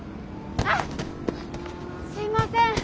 あっすいません。